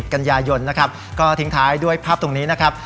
กันยายนนะครับก็ทิ้งท้ายด้วยภาพตรงนี้นะครับ